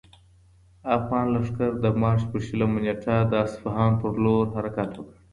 افغان لښکر د مارچ په شلمه نېټه د اصفهان پر لور حرکت وکړ.